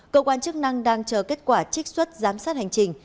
cơ quan chức năng đang chờ kết quả trích xuất giám sát hành trình